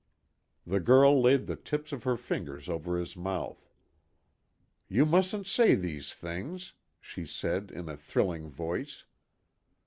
The girl laid the tips of her fingers over his mouth. "You mustn't say these things," she said, in a thrilling voice.